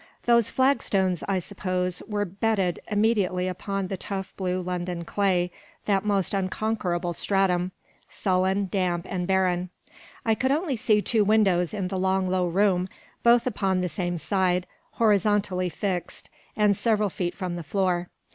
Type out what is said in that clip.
Those flag stones, I suppose, were bedded immediately upon the tough blue London clay, that most unconquerable stratum, sullen, damp, and barren. I could only see two windows in the long low room, both upon the same side, horizontally fixed, and several feet from the floor.